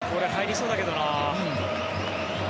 これ入りそうだけどな。